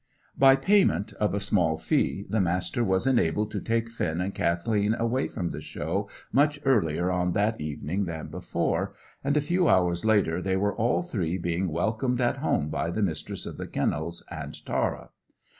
By payment of a small fee the Master was enabled to take Finn and Kathleen away from the Show much earlier on that evening than before, and a few hours later they were all three being welcomed at home by the Mistress of the Kennels and Tara.